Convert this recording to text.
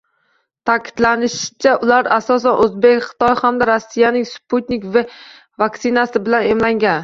Ta’kidlanishicha, ular asosan o‘zbek—xitoy hamda Rossiyaning “Sputnik V” vaksinasi bilan emlangan